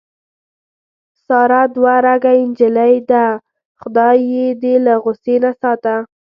ساره دوه رګه نجیلۍ ده. خدای یې دې له غوسې نه ساته.